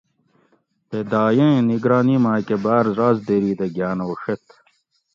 تے دایہ نگرانی ماگ باۤر رازداری دہ گھاۤن ہوڛیت